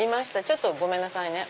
ちょっとごめんなさいね。